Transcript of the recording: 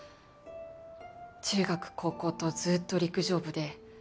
中学高校とずっと陸上部で。